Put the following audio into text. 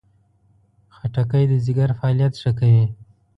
خټکی د ځیګر فعالیت ښه کوي.